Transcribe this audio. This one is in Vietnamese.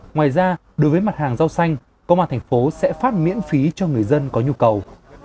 ngoài ra đối với mặt hàng rau xanh công an thành phố sẽ phát miễn phí cho người dân có nhu cầu